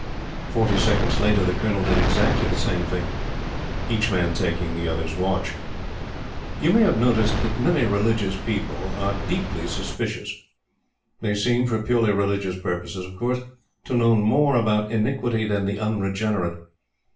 Forty seconds later, the Colonel did exactly the same thing; each man taking the other's watch. You may have noticed that many religious people are deeply suspicious. They seem for purely religious purposes, of course to know more about iniquity than the Unregenerate.